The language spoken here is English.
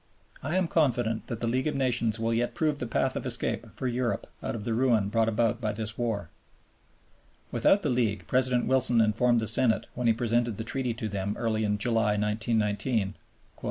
I am confident that the League of Nations will yet prove the path of escape for Europe out of the ruin brought about by this war." Without the League, President Wilson informed the Senate when he presented the Treaty to them early in July, 1919, "...